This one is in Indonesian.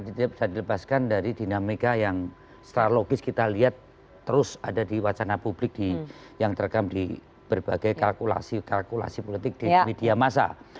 tidak bisa dilepaskan dari dinamika yang strategis kita lihat terus ada di wacana publik yang terekam di berbagai kalkulasi kalkulasi politik di media masa